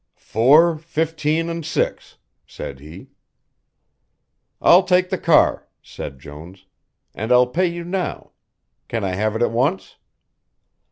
"Four, fifteen and six," said he. "I'll take the car," said Jones, "and I'll pay you now. Can I have it at once?"